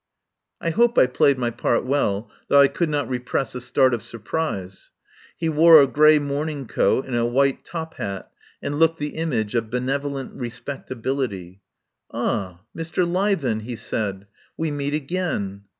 I hope I played my part well, though I could not repress a start of surprise. He wore a grey morning coat and a white top hat and looked the image of benevolent respectability. "Ah, Mr. Leithen," he said, "we meet again."